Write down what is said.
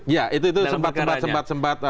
ya itu sempat sempat